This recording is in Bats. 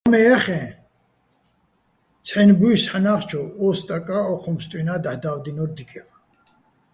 დრო მე ჲახეჼ, ცჰ̦აჲნი̆ ბუჲსო̆ ჰ̦ანა́ხიჩოვ ო სტაკა́ ო́ჴუჲ ბსტუჲნა́ დაჰ̦ და́ვდინო́რ დიკევ.